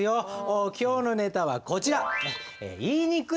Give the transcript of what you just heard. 今日のネタはこちら。